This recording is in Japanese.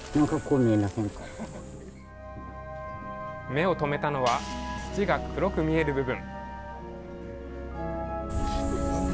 目を止めたのは土が黒く見える部分。